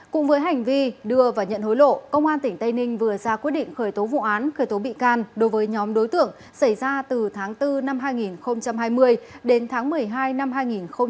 cùng với hành vi đưa và nhận hối lộ công an tỉnh tây ninh vừa ra quyết định khởi tố vụ án khởi tố bị can đối với nhóm đối tượng xảy ra từ tháng bốn năm hai nghìn hai mươi đến tháng một mươi hai năm hai nghìn hai mươi